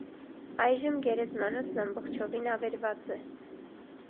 Այժմ գերեզմանոցն ամբողջովին ավերված է։